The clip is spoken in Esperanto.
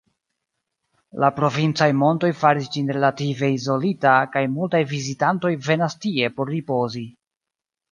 La provincaj montoj faris ĝin relative izolita, kaj multaj vizitantoj venas tie por ripozi.